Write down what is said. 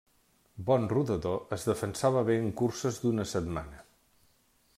Bon rodador, es defensava bé en curses d'una setmana.